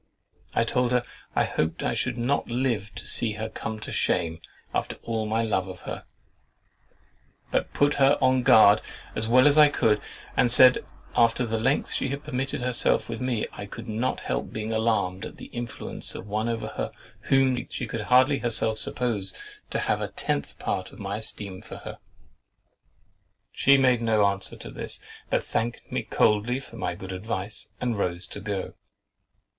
I told her I hoped I should not live to see her come to shame, after all my love of her; but put her on her guard as well as I could, and said, after the lengths she had permitted herself with me, I could not help being alarmed at the influence of one over her, whom she could hardly herself suppose to have a tenth part of my esteem for her!! She made no answer to this, but thanked me coldly for my good advice, and rose to go.